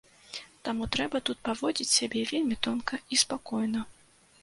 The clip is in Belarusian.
Таму трэба тут паводзіць сябе вельмі тонка і спакойна.